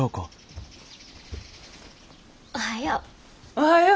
おはよう。